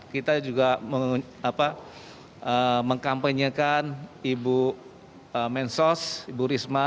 kita juga mengkampanyekan ibu mensos ibu risma